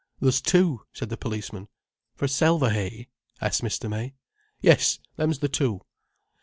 "There's two," said the policeman. "For Selverhay?" asked Mr. May. "Yes, them's the two."